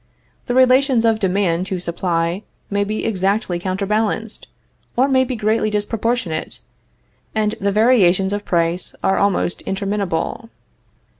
The relations of demand to supply may be exactly counterbalanced, or may be greatly disproportionate, and the variations of price are almost interminable.